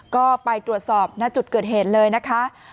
ก็ไปตรวจสอบณจุดเกิดเหตุเลยนะคะ